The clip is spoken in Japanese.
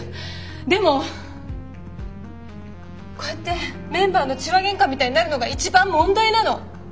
でもこうやってメンバーの痴話げんかみたいになるのが一番問題なの。